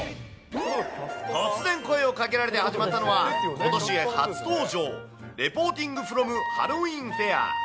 突然声をかけられて始まったのは、ことし初登場、レポーティング・フロム・ハロウィーンフェア。